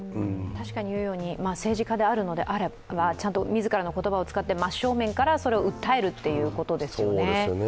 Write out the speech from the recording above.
確かに政治家であるのであればちゃんと自らの言葉を使って真っ正面からそれを訴えるということですよね。